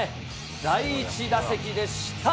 第１打席でした。